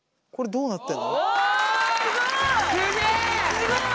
すごい。